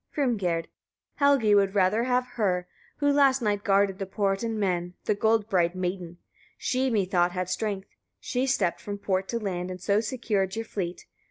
Hrimgerd. 26. Helgi would rather have her who last night guarded the port and men, the gold bright maiden. She methought had strength, she stept from port to land, and so secured your fleet.